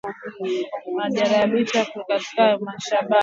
Majaribio ya kushambulia kitu hayalengi shabaha